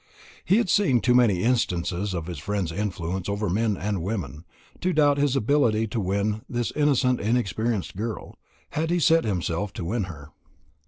He had seen too many instances of his friend's influence over men and women, to doubt his ability to win this innocent inexperienced girl, had he set himself to win her.